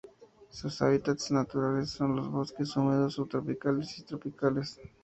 Sus hábitats naturales son los bosques húmedos subtropicales y tropicales.